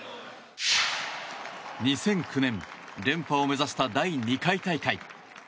２００９年、連覇を目指した第２回大会。